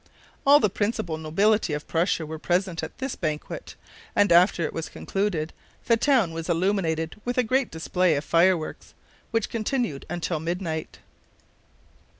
All the principal nobility of Prussia were present at this banquet, and after it was concluded the town was illuminated with a great display of fireworks, which continued until midnight.